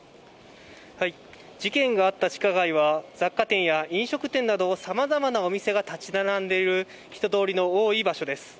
事件があった地下街は、雑貨店や飲食店など、さまざまなお店が建ち並んでいる、人通りの多い場所です。